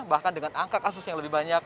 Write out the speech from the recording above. bahkan dengan angka kasus yang lebih banyak